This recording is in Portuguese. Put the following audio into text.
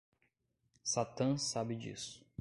Satã sabe disso.